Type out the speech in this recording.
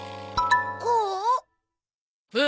こう？